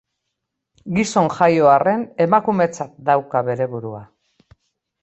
Gizon jaio arren, emakumetzat dauka bere burua.